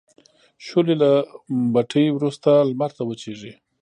شولې له بټۍ وروسته لمر ته وچیږي.